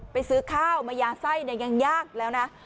ไปซื้อข้าวมะยาไส้ยังยากแล้วนะ